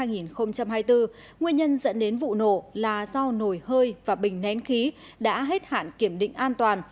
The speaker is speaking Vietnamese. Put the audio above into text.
nguyên nhân dẫn đến vụ nổ là do nồi hơi và bình nén khí đã hết hạn kiểm định an toàn